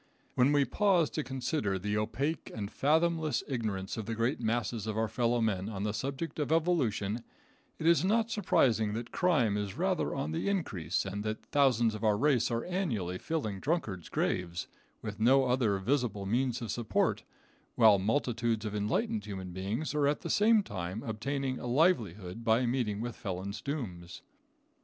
When we pause to consider the opaque and fathomless ignorance of the great masses of our fellow men on the subject of evolution, it is not surprising that crime is rather on the increase, and that thousands of our race are annually filling drunkards' graves, with no other visible means of support, while multitudes of enlightened human beings are at the same time obtaining a livelihood by meeting with felons' dooms.